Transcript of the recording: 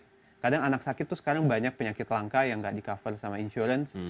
kadang kadang anak sakit tuh sekarang banyak penyakit langka yang nggak di cover sama insurance